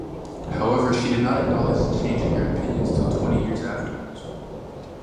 However she did not acknowledge the change in her opinions till twenty years afterwards.